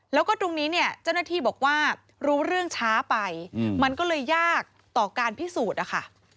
แล้วก็ตรงนี้เนี่ยเจ้าหน้าที่บอกว่ารู้เรื่องช้าไปมันก็เลยยากต่อการพิสูจน์นะคะ